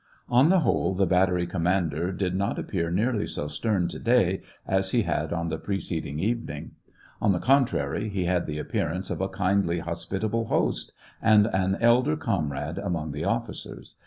On the whole, the battery commander did not appear nearly so stern to day as he had on the preceding evening ; on the contrary, he had the appearance of a kindly, hospitable host, and an elder comrade among the officers.